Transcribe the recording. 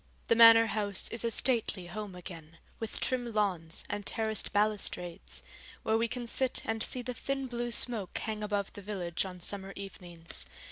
The Manor House is a stately home again, with trim lawns and terraced balustrades, where we can sit and see the thin blue smoke hang above the village on summer evenings.